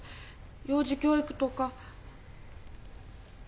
幼児教育とか。